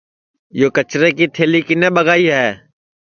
یو کچرے کی تھلی کِنے ٻگائی ہے